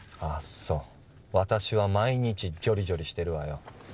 そう私は毎日ジョリジョリしてるわよ